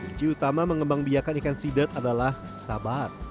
kunci utama mengembang biakan ikan sidat adalah sabar